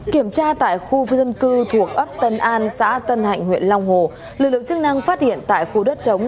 kiểm tra tại khu dân cư thuộc ấp tân an xã tân hạnh huyện long hồ lực lượng chức năng phát hiện tại khu đất chống